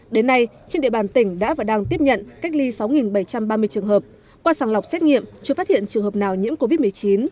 đến nay trên địa bàn tỉnh đã và đang tiếp nhận cách ly sáu bảy trăm ba mươi trường hợp qua sàng lọc xét nghiệm chưa phát hiện trường hợp nào nhiễm covid một mươi chín